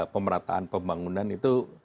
pemerataan pembangunan itu